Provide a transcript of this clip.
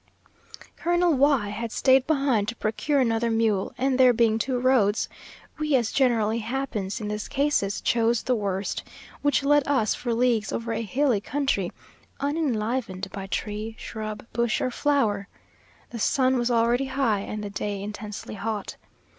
Colonel Y had staid behind to procure another mule, and there being two roads, we, as generally happens in these cases, chose the worst; which led us for leagues over a hilly country, unenlivened by tree, shrub, bush, or flower. The sun was already high, and the day intensely hot.